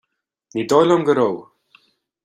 Ní dóigh liom go raibh